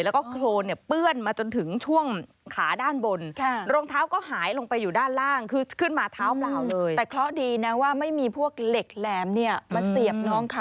แล้วโครนเปื้อนมาถึงขาด้านบนถ้าลองเต้าก็หายไปอยู่ด้านล่างมาเท้าเปลาเลย